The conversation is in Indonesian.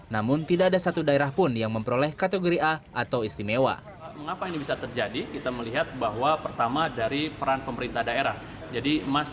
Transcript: namun tidak ada satu daerah pun yang memperoleh penurunan covid sembilan belas